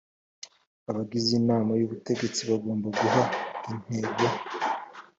abagize inama y ubutegetsi bagomba guha intego